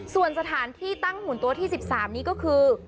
ส่วนสถานที่ตั้งหุ่นตัวที่๑๓นี้ก็คือ